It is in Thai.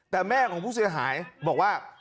แต่แม่ของผู้เสียหายบอกว่า